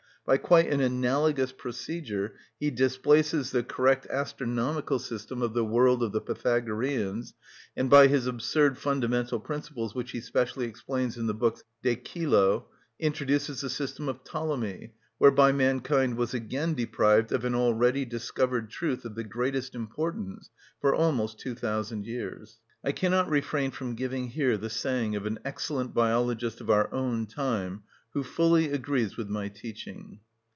By quite an analogous procedure he displaces the correct astronomical system of the world of the Pythagoreans, and by his absurd fundamental principles, which he specially explains in the books de Cœlo, introduces the system of Ptolemy, whereby mankind was again deprived of an already discovered truth of the greatest importance for almost two thousand years. I cannot refrain from giving here the saying of an excellent biologist of our own time who fully agrees with my teaching.